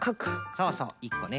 そうそう１こね。